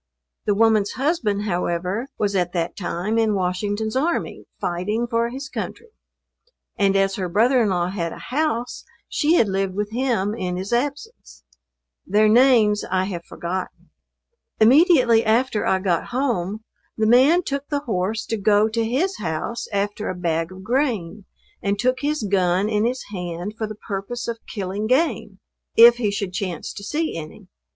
The woman's husband, however, was at that time in Washington's army, fighting, for his country; and as her brother in law had a house she had lived with him in his absence. Their names I have forgotten. Immediately after I got home, the man took the horse to go to his house after a bag of grain, and took his gun in his hand for the purpose of killing game, if he should chance to see any.